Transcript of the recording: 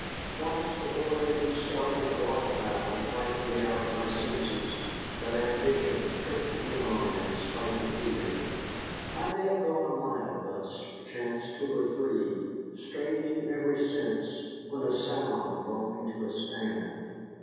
Twice the whirring of startled waterfowl frightened me out of my senses, but ambition pricked me on in spite of fear. I may have gone a mile thus, perchance two or three, straining every sense, when a sound brought me to a stand.